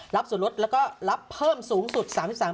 ส่วนลดแล้วก็รับเพิ่มสูงสุด๓๓